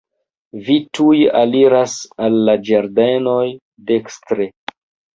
Vi tuj aliras al la ĝardenoj, dekstre.